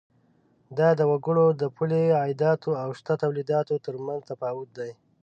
دا د وګړو د پولي عایداتو او شته تولیداتو تر مینځ تفاوت دی.